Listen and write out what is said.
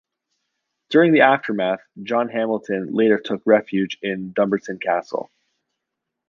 During the aftermath, John Hamilton later took refuge in Dumbarton Castle.